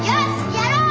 やろう！